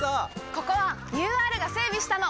ここはＵＲが整備したの！